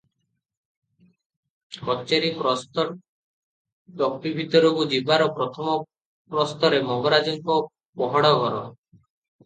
କଚେରି ପ୍ରସ୍ତ ଟପି ଭିତରକୁ ଯିବାର ପ୍ରଥମ ପ୍ରସ୍ତରେ ମଙ୍ଗରାଜଙ୍କ ପହଡ଼ ଘର ।